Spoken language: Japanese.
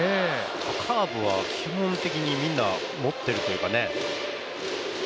カーブは基本的にみんな持っているというかね。